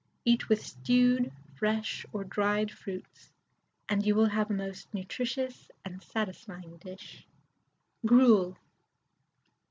Eat with stewed, fresh, or dried fruits, and you have a most nutritious and satisfying dish. GRUEL.